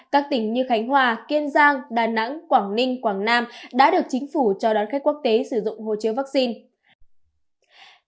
các tỉnh như khánh hòa kiên giang đà nẵng quảng ninh quảng nam đã được chính phủ cho đón khách quốc tế sử dụng hồ chứa vaccine